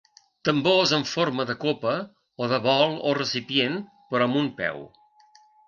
Tambors en forma de copa, o de bol o recipient, però amb un peu.